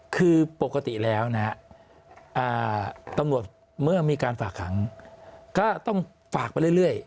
คือปกติแล้วนะฮะตำรวจเมื่อมีการฝากขังก็ต้องฝากไปเรื่อย